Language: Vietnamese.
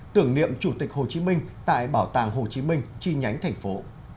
tưởng niệm chủ tịch hồ chí minh tại bảo tàng hồ chí minh chi nhánh thành phố